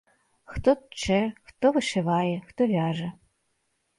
Хто тчэ, хто вышывае, хто вяжа.